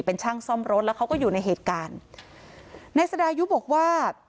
เป็นช่างซ่อมรถแล้วเขาก็อยู่ในเหตุการณ์นายสดายุบอกว่า